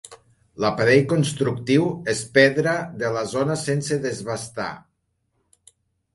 L'aparell constructiu és pedra de la zona sense desbastar.